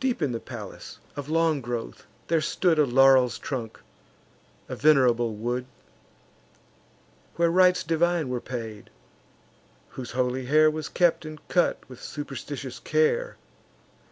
Deep in the palace, of long growth, there stood A laurel's trunk, a venerable wood; Where rites divine were paid; whose holy hair Was kept and cut with superstitious care.